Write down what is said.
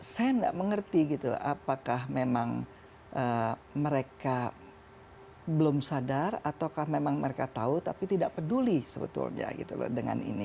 saya nggak mengerti gitu apakah memang mereka belum sadar ataukah memang mereka tahu tapi tidak peduli sebetulnya gitu loh dengan ini